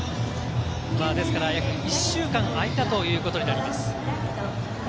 約１週間空いたということになります。